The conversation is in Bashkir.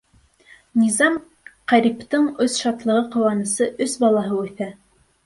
Низам Ҡәриптең өс шатлығы-ҡыуанысы — өс балаһы үҫә.